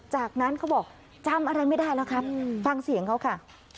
จากนั้นเขาบอกจำอะไรไม่ได้แล้วครับฟังเสียงเขาค่ะ